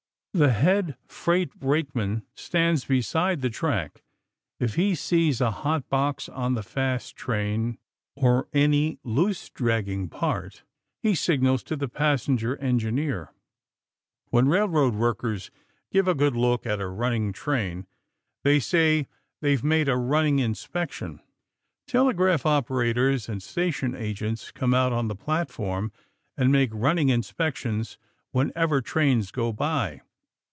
The head freight brakeman stands beside the track. If he sees a hot box on the fast train or any loose, dragging part he signals to the passenger engineer. When railroad workers give a good look at a running train, they say that they've made a running inspection. Telegraph operators and station agents come out on the platform and make running inspections whenever trains go by.